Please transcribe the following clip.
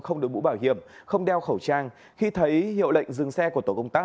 không được mũ bảo hiểm không đeo khẩu trang khi thấy hiệu lệnh dừng xe của tổ công tác